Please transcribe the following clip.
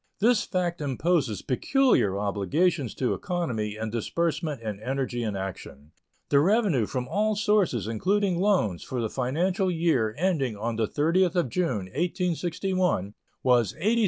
This fact imposes peculiar obligations to economy in disbursement and energy in action. The revenue from all sources, including loans, for the financial year ending on the 30th of June, 1861, was $86,835,900.